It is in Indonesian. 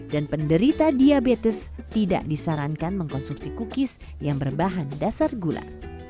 penderita diabetes tidak disarankan mengkonsumsi cookies yang berbahan dasar gula